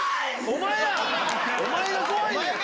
お前が怖いんや！